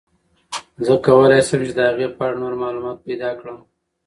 زه کولای شم چې د هغې په اړه نور معلومات پیدا کړم.